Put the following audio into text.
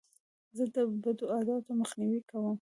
زه د بدو عادتو مخنیوی کوم.